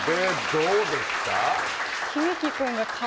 どうですか？